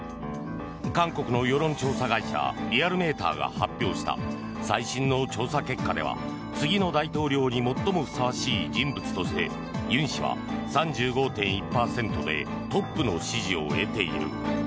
韓国の世論調査会社リアルメーターが発表した最新の調査結果では次の大統領に最もふさわしい人物としてユン氏は３５．１％でトップの支持を得ている。